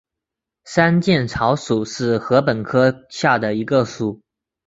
山涧草属是禾本科下的一个属。